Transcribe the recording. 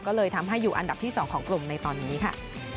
ก็เลยทำให้อยู่อันดับที่๒ของกลุ่มในตอนนี้ค่ะ